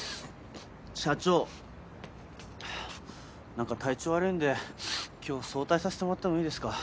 何か体調悪いんで今日早退させてもらってもいいですか？